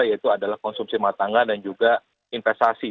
yaitu adalah konsumsi matangga dan juga investasi